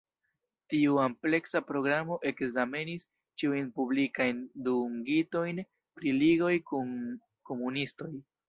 Tiu ampleksa programo ekzamenis ĉiujn publikajn dungitojn pri ligoj kun komunistoj.